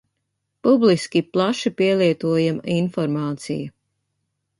Publiski plaši pielietojama informācija.